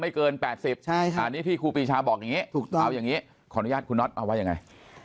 ไม่เกิน๘๐ใช่อันนี้ที่คุณพิชาบอกเนี้ยถูกต้องอย่างส์ก็อย่างนี้ขออนุญาตคุณนัฐเป็นไง